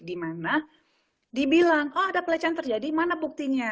dimana dibilang oh ada pelecehan terjadi mana buktinya